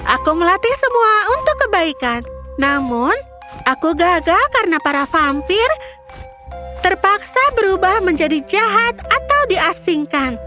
aku melatih semua untuk kebaikan namun aku gagal karena para vampir terpaksa berubah menjadi jahat atau diasingkan